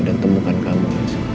dan temukan kamu